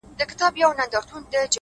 نیکه کړنه اوږد یاد پاتې کوي,